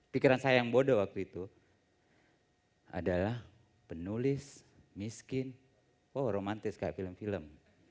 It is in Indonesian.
pikiran saya yang bodoh waktu itu adalah penulis miskin oh romantis kayak film film